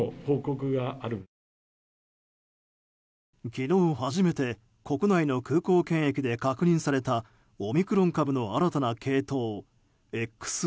昨日初めて国内の空港検疫で確認されたオミクロン株の新たな系統ＸＥ。